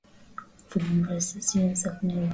Mu kongo bantu abaya juwa ma haki yabo